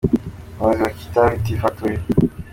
Umuyobozi wa Kitabi Tea Factory, Jean H.